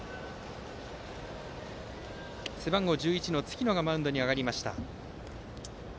背番号１１の月野がマウンドに上がりました。